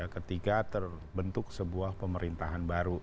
ketika terbentuk sebuah pemerintahan baru